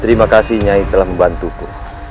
terima kasih nyai telah membantuku